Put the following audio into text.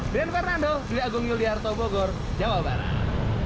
dengan fernando filiha gongil liharto bogor jawa barat